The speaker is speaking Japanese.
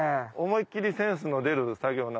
思いっ切りセンスの出る作業。